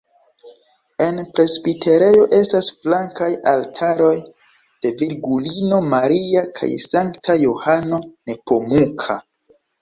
En presbiterejo estas flankaj altaroj de Virgulino Maria kaj Sankta Johano Nepomuka.